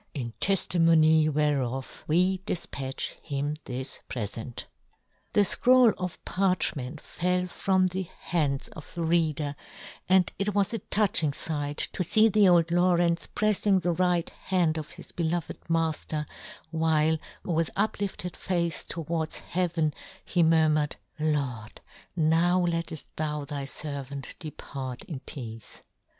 In teftimony whereof we " defpatch him this prefent." The fcroll of parchment fell from the hands of the reader, and it was a touching fight to fee the old Law rence preffing the right hand of his beloved mafter, while, with uplifted face towards heaven, he murmured, " Lord, now letteft thou thy fervant " depart in peace